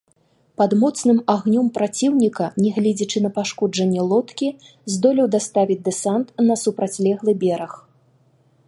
Пад моцным агнём праціўніка, нягледзячы на пашкоджанне лодкі, здолеў даставіць дэсант на супрацьлеглы бераг.